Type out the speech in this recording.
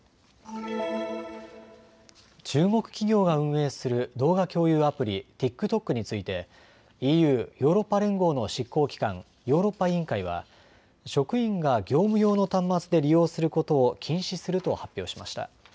中国企業が運営する動画共有アプリ、ＴｉｋＴｏｋについてＥＵ・ヨーロッパ連合の執行機関、ヨーロッパ委員会は職員が業務用の端末で利用することを禁止すると発表しました。